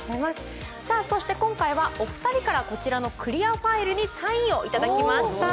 そして今回はお二人からこちらのクリアファイルにサインをいただきました。